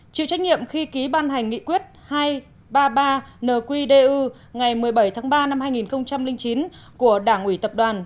chịu trách nhiệm khi ký ban hành nghị quyết hai trăm ba mươi ba nqdu ngày một mươi bảy tháng ba năm hai nghìn chín của đảng ủy tập đoàn